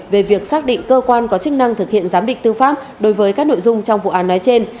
về việc xác định cơ quan có chức năng thực hiện giám định tư pháp đối với các nội dung trong vụ án nói trên